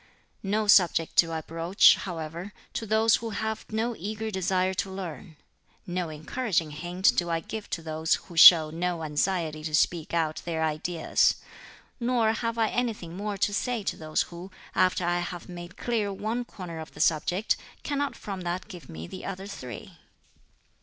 "No subject do I broach, however, to those who have no eager desire to learn; no encouraging hint do I give to those who show no anxiety to speak out their ideas; nor have I anything more to say to those who, after I have made clear one corner of the subject, cannot from that give me the other three."